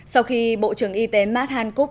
sau khi bộ trưởng y tế matt hancock